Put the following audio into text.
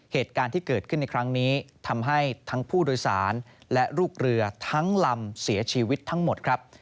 เหตุการณ์ที่เกิดขึ้นในครั้งนี้ทำให้ทั้งผู้โดยสารและลูกเรือทั้งลำเสียชีวิตทั้งหมดครับ